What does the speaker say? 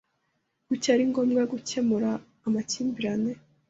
Kuki ari ngombwa gukemura amakimbirane?